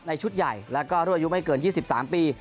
ชุดใหญ่แล้วก็รุ่นอายุไม่เกิน๒๓ปี